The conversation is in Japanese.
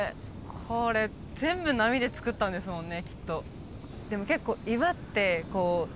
これ全部波でつくったんですもんね